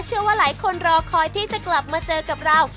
เชื่อว่าหลายคนรอคอยที่จะกลับมาเจอกับเรา